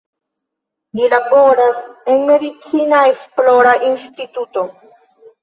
Li laboras en medicina esplora instituto.